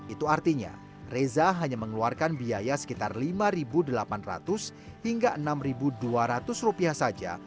itu artinya reza hanya mengeluarkan biaya sekitar rp lima delapan ratus hingga rp enam dua ratus saja